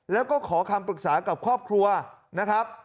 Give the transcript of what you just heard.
แล้วก็ขอคำปรึกษากับครอบครัวนะครับ